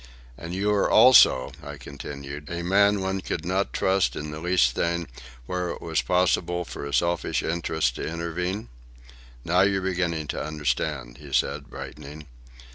"And you are also," I continued, "a man one could not trust in the least thing where it was possible for a selfish interest to intervene?" "Now you're beginning to understand," he said, brightening.